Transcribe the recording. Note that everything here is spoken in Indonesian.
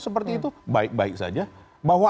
seperti itu baik baik saja bahwa